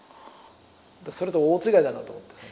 それと大違いだなと思って。